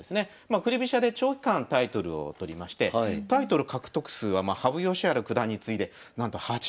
振り飛車で長期間タイトルを取りましてタイトル獲得数は羽生善治九段に継いでなんと８０期。